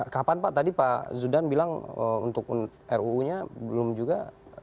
kapan pak tadi pak zudan bilang untuk ruu nya belum juga